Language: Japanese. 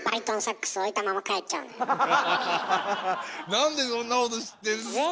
なんでそんなこと知ってんですか！